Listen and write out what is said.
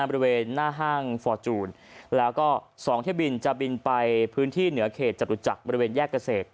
บริเวณหน้าห้างฟอร์จูนแล้วก็๒เที่ยวบินจะบินไปพื้นที่เหนือเขตจตุจักรบริเวณแยกเกษตร